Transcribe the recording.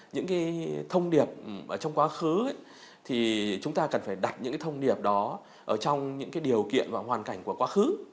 những cái thông điệp trong quá khứ thì chúng ta cần phải đặt những thông điệp đó trong những điều kiện và hoàn cảnh của quá khứ